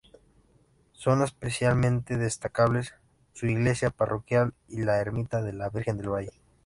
Son especialmente destacables su Iglesia Parroquial y la ermita de la Virgen del Valle.